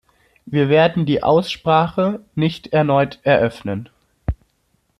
Wir werden die Aussprache nicht erneut eröffnen.